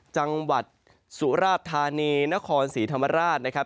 จังหวัดสุราธานีนครศรีธรรมราชนะครับ